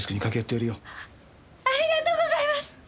ありがとうございます！